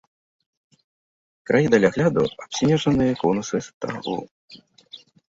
На краі далягляду абснежаныя конусы стагоў.